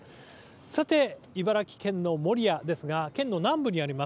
さて茨城県の守谷ですが県の南部にあります。